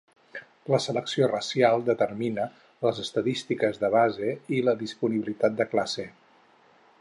La selecció racial determina les estadístiques de base i la disponibilitat de classe.